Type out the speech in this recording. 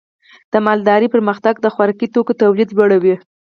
د مالدارۍ پرمختګ د خوراکي توکو تولید لوړوي.